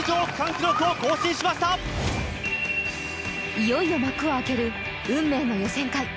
いよいよ幕を開ける運命の予選会。